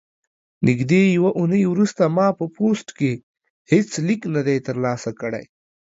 نږدې یوه اونۍ وروسته ما په پوسټ کې هیڅ لیک نه دی ترلاسه کړی.